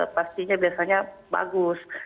pastinya biasanya bagus